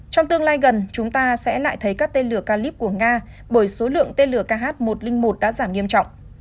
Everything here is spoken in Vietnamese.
trong tương lai gần chúng ta sẽ lại thấy các tên lửa calip của nga bởi số lượng tên lửa kh một trăm linh một đã giảm nghiêm trọng